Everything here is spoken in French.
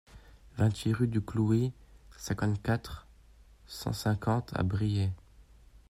vingt-huit rue du Cloué, cinquante-quatre, cent cinquante à Briey